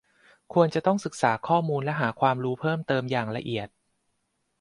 ควรจะต้องศึกษาข้อมูลและหาความรู้เพิ่มเติมอย่างละเอียด